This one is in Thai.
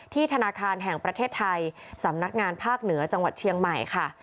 ธนาคารแห่งประเทศไทยสำนักงานภาคเหนือจังหวัดเชียงใหม่ค่ะ